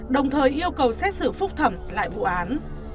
đồng thời yêu cầu xét xử phúc thẩm lại vụ án